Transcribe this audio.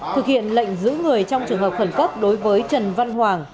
thực hiện lệnh giữ người trong trường hợp khẩn cấp đối với trần văn hoàng